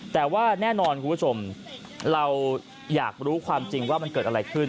แต่ว่าแน่นอนคุณผู้ชมเราอยากรู้ความจริงว่ามันเกิดอะไรขึ้น